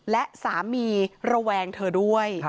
และสามีระแวงเธอด้วย